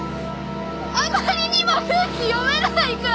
あまりにも空気読めないから！